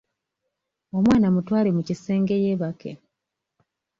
Omwana mutwale mu kisenge yeebake.